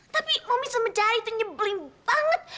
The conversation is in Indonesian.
tapi mami semenjari itu nyebelin banget